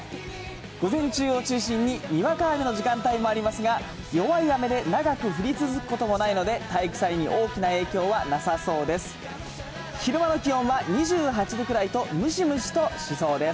午前中を中心ににわか雨の時間帯もありますが、弱い雨で長く降り続くこともないので、体育祭に大きな影響はなさそうです。